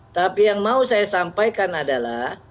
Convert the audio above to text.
tapi yang mau saya sampaikan adalah